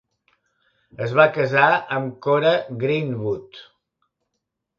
Es va casar amb Cora Greenwood.